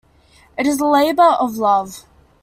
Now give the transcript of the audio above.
It is a labor of love.